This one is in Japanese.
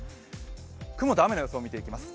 雲と雨の様子を見ていきます。